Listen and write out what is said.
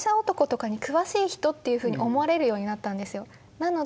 なので。